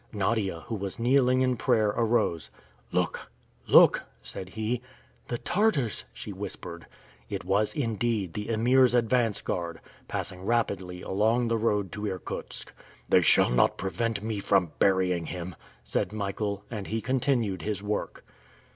Nadia, who was kneeling in prayer, arose. "Look, look!" said he. "The Tartars!" she whispered. It was indeed the Emir's advance guard, passing rapidly along the road to Irkutsk. "They shall not prevent me from burying him!" said Michael. And he continued his work.